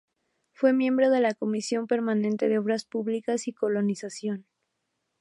Fue miembro de la Comisión Permanente de Obras Públicas y Colonización.